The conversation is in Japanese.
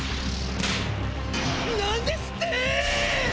何ですって！？